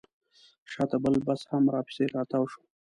شاته بل بس هم راپسې راتاو شو.